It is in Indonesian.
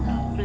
pak pak pak